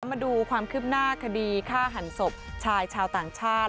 มาดูความคืบหน้าคดีฆ่าหันศพชายชาวต่างชาติ